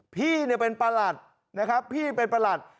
พี่เป็นประหลัด